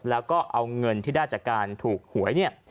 แล้วก็เอาเงินที่ได้จากการถูกหวยเนี่ย